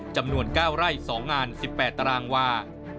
จำนวน๙ไร่๒งาน๑๘ตารางวา